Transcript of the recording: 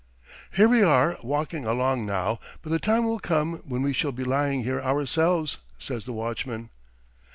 "Here we are walking along now, but the time will come when we shall be lying here ourselves," says the watchman.